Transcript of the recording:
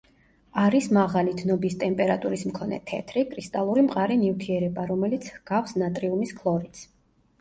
არის მაღალი დნობის ტემპერატურის მქონე თეთრი, კრისტალური მყარი ნივთიერება, რომელიც ჰგავს ნატრიუმის ქლორიდს.